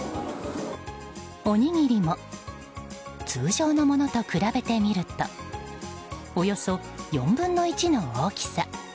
おにぎりも通常のものと比べてみるとおよそ４分の１の大きさ。